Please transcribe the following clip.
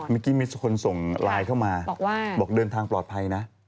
มีคนส่งไลน์เข้ามาบอกเดินทางปลอดภัยนะ